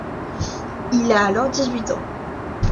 Il a alors dix-huit ans.